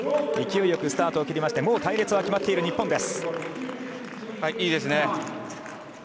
勢いよくスタートを切りまして隊列が決まっている日本。